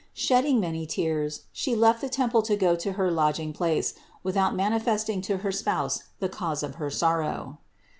Shedding many tears, She left the temple to go to her lodging place, without manifesting to her spouse the cause of her sorrow.